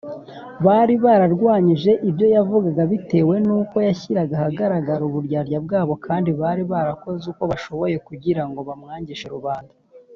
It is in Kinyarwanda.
bari bararwanyije ibyo yavugaga bitewe nuko yashyiraga ahagaragara uburyarya bwabo kandi bari barakoze uko bashoboye kugira ngo bamwangishe rubanda